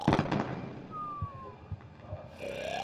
格雷维尔把艾玛给威廉爵士以偿还他的债务。